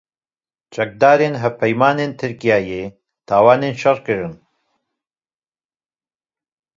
Çekdarên hevpeymanên Tirkiyeyê tawanên şer kirine.